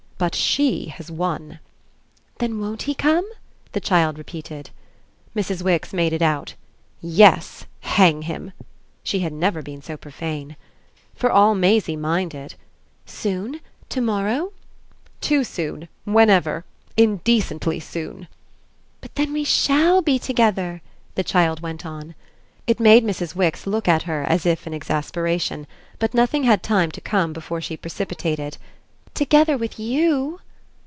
But she has won." "Then won't he come?" the child repeated. Mrs. Wix made it out. "Yes, hang him!" She had never been so profane. For all Maisie minded! "Soon to morrow?" "Too soon whenever. Indecently soon." "But then we SHALL be together!" the child went on. It made Mrs. Wix look at her as if in exasperation; but nothing had time to come before she precipitated: "Together with YOU!"